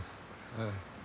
ええ。